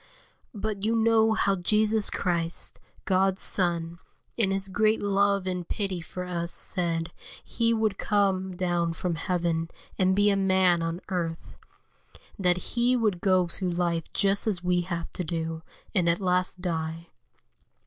But you know how Jesus Christ, God's Son, in His great love and pity for us said He would come down from heaven, and be a man on earth; that He would go through life just as we have to do, and at last die.